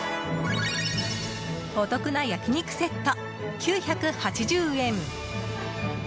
お得な焼き肉セット、９８０円。